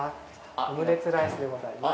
オムレツライスでございます。